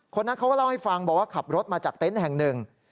นั้นเขาก็เล่าให้ฟังบอกว่าขับรถมาจากเต็นต์แห่งหนึ่ง